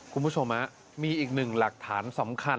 คุณผู้ชมมีอีกหนึ่งหลักฐานสำคัญ